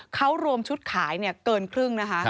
เขารวมชุดขายเกินครึ่งนะคะ